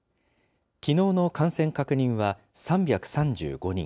きのうの感染確認は３３５人。